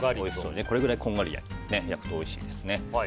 これぐらいこんがり焼くとおいしいですね。